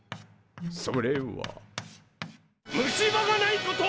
それは虫歯がないこと！